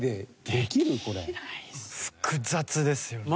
複雑ですよね。